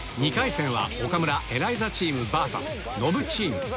２回戦は岡村・エライザチームｖｓノブチーム